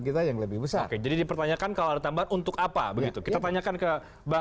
kita yang lebih besar oke jadi dipertanyakan kalau ada tambahan untuk apa begitu kita tanyakan ke bang